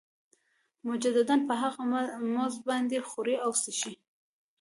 مجدداً په هغه مزد باندې خوري او څښي